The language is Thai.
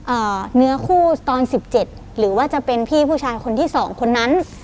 เนื้อคู่ตอนสิบเจ็ดหรือว่าจะเป็นพี่ผู้ชายคนที่สองคนนั้น